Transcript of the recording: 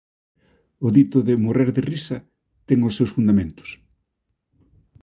"o dito de "morrer de risa" ten os seus fundamentos;"